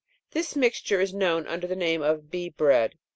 This mixture is known under the name of bee bread.